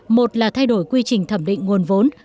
một là thay đổi quy trình thẩm định nguồn vốn